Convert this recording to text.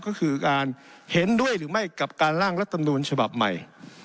ก็คือการเห็นด้วยหรือไม่กับการล่างรัฐมนูลฉบับใหม่